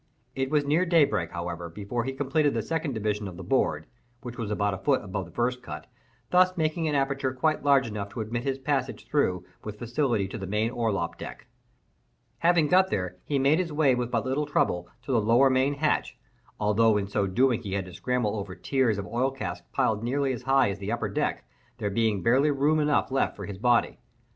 It was near daybreak, however, before he completed the second division of the board (which was about a foot above the first cut), thus making an aperture quite large enough to admit his passage through with facility to the main orlop deck. Having got here, he made his way with but little trouble to the lower main hatch, although in so doing he had to scramble over tiers of oil casks piled nearly as high as the upper deck, there being barely room enough left for his body.